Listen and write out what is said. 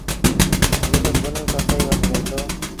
جت پنهون سسئيٚ وٽ رهيٚتو۔